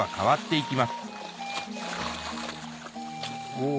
お。